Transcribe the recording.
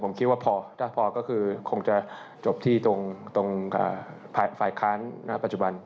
ผมคิดว่าพอถ้าพอก็คือคงจะจบที่ตรงฝ่ายค้านณปัจจุบัน